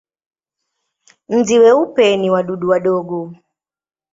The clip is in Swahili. Nzi weupe ni wadudu wadogo.